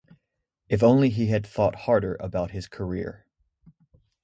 If only he had thought harder about his career.